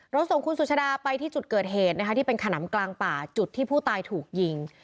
ส่งคุณสุชาดาไปที่จุดเกิดเหตุนะคะที่เป็นขนำกลางป่าจุดที่ผู้ตายถูกยิง